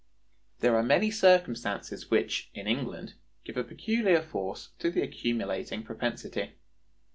There are many circumstances which, in England, give a peculiar force to the accumulating propensity.